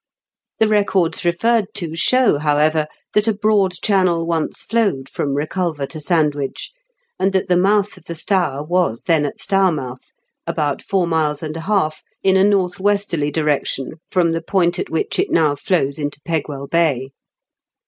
The records referred to show, however, that a broad channel PHYSICAL CHANGU8. 247 once flowed from Beculver to Sandwich, and that the mouth of the Stour was then at Stourmouth, about four miles and a half, in a north westerly direction, from the point at which it now flows into Pegwell Bay.